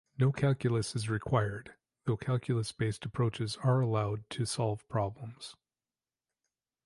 No calculus is required, though calculus based approaches are allowed to solve problems.